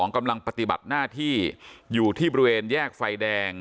กำลังปฏิบัติหน้าที่อยู่ที่บริเวณแยกไฟแดง